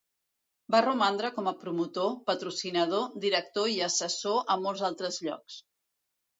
Va romandre com a promotor, patrocinador, director i assessor a molts altres llocs.